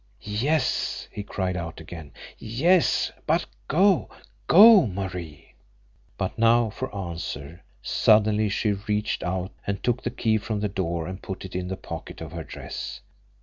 "YES!" he cried out again. "Yes! But go go, Marie!" But now, for answer, suddenly she reached out and took the key from the door and put it in the pocket of her dress.